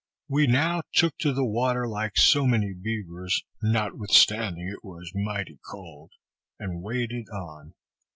We now took water like so many beavers, notwithstanding it was mighty cold, and waded on.